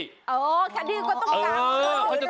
อ๋อแคดดีก็ต้องกางลง